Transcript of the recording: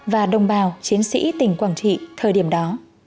và đồng bào chiến sĩ tỉnh quảng trị thời điểm đó